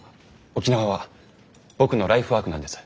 沖縄は僕のライフワークなんです。